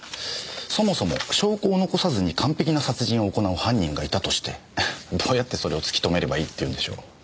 そもそも証拠を残さずに完璧な殺人を行う犯人がいたとしてどうやってそれを突きとめればいいっていうんでしょう。